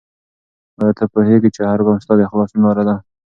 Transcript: آیا ته پوهېږې چې هر ګام ستا د خلاصون لاره ده؟